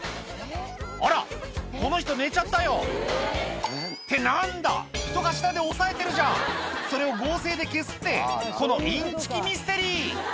あらこの人寝ちゃったよって何だ人が下で押さえてるじゃんそれを合成で消すってこのインチキミステリー！